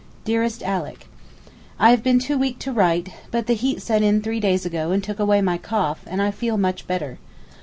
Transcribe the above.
DEAREST ALICK, I have been too weak to write, but the heat set in three days ago and took away my cough, and I feel much better.